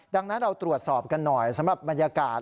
ดังนั้นเราตรวจสอบกันหน่อยสำหรับบรรยากาศ